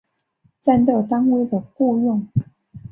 战斗单位的雇用。